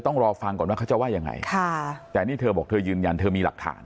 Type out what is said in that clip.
ต้องรอฟังก่อนว่าเขาจะว่ายังไงแต่นี่เธอบอกเธอยืนยันเธอมีหลักฐาน